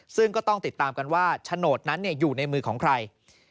ซึ่งก็ต้องติดตามกันว่าโฉนดนั้นอยู่ในมือของใคร